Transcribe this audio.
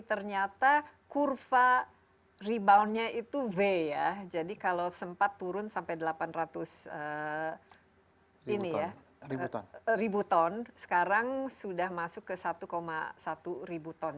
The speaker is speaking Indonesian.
ternyata kurva reboundnya itu v ya jadi kalau sempat turun sampai delapan ratus ribu ton sekarang sudah masuk ke satu satu ribu ton